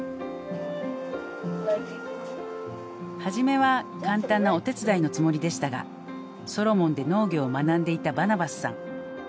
初めは簡単なお手伝いのつもりでしたがソロモンで農業を学んでいたバナバスさん